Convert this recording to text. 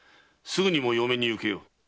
すぐにも嫁に行けよう。